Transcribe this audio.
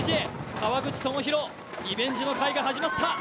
川口朋広、リベンジの会が始まった。